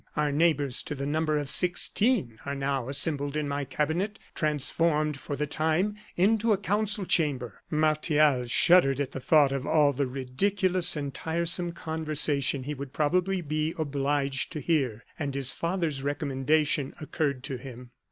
Our neighbors, to the number of sixteen, are now assembled in my cabinet, transformed for the time into a council chamber." Martial shuddered at the thought of all the ridiculous and tiresome conversation he would probably be obliged to hear; and his father's recommendation occurred to him.